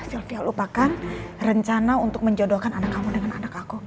sofia lupakan rencana untuk menjodohkan anak kamu dengan anak aku